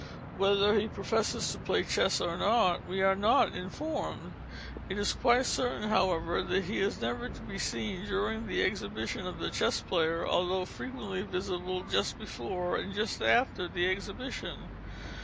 Whether he professes to play chess or not, we are not informed. It is quite certain, however, that he is never to be seen during the exhibition of the Chess Player, although frequently visible just before and just after the exhibition.